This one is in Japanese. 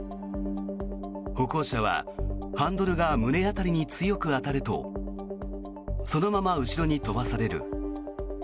歩行者はハンドルが胸辺りに強く当たるとそのまま後ろに飛ばされる。